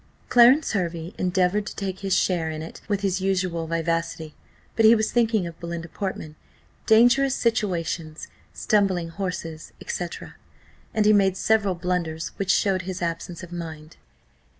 Clarence Hervey endeavoured to take his share in it with his usual vivacity, but he was thinking of Belinda Portman, dangerous situations, stumbling horses, &c and he made several blunders, which showed his absence of mind.